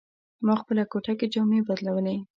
ما خپله کوټه کې جامې بدلولې.